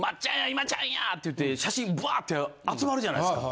「今ちゃんや」って言って写真ぶわって集まるじゃないですか。